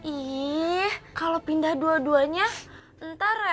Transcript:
ih kalau pindah dua duanya entah repot